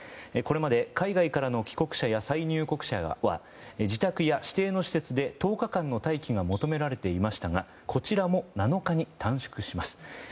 これまで海外からの帰国者や再入国者は自宅や指定の施設で１０日間の待機が求められていましたがこちらも７日に短縮します。